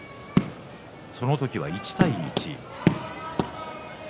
その時は１対１。